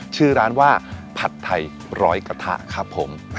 ชื่อร้านว่าผัดไทยร้อยกระทะครับผม